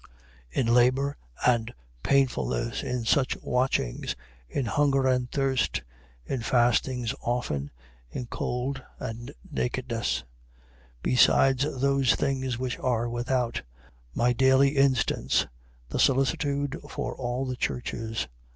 In labour and painfulness, in much watchings, in hunger and thirst, in fastings often, in cold and nakedness: 11:28. Besides those things which are without: my daily instance, the solicitude for all the churches.